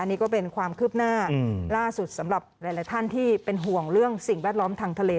นี่ก็เป็นความคืบหน้าล่าสุดสำหรับหลายท่านที่เป็นห่วงเรื่องสิ่งแวดล้อมทางทะเล